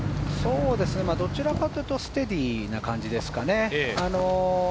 どちらかというとステディーな感じです。